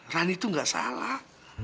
rani tuh gak salah